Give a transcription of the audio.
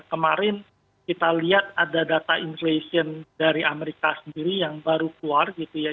kemarin kita lihat ada data inflation dari amerika sendiri yang baru keluar gitu ya